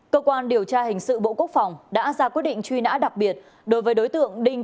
cơ quan điều tra hình sự bộ quốc phòng đã ra quyết định truy nã đặc biệt đối với đối tượng đinh